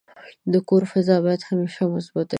د کور فضا باید همیشه مثبته وي.